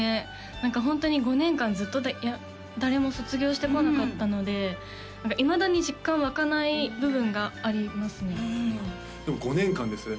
何かホントに５年間ずっと誰も卒業してこなかったので何かいまだに実感湧かない部分がありますねでも５年間ですよね